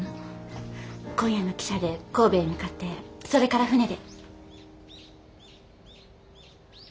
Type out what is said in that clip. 今夜の汽車で神戸へ向かってそれから船で。